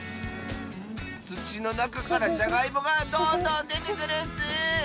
つちのなかからじゃがいもがどんどんでてくるッス！